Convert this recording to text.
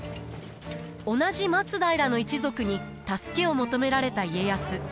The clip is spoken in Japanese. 同じ松平の一族に助けを求められた家康。